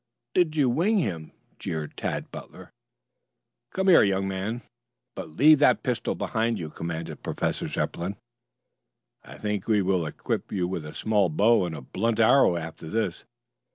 "Did you wing him!" jeered Tad Butler. "Come here, young man. But leave that pistol behind you," commanded Professor Zepplin. "I think we will equip you with a small bow and a blunt arrow after this.